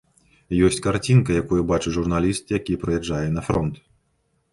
Ёсць карцінка, якую бачыць журналіст, які прыязджае на фронт.